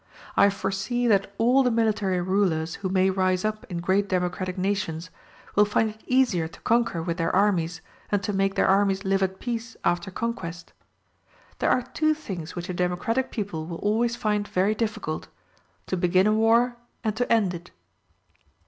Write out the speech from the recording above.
I foresee that all the military rulers who may rise up in great democratic nations, will find it easier to conquer with their armies, than to make their armies live at peace after conquest. There are two things which a democratic people will always find very difficult to begin a war, and to end it.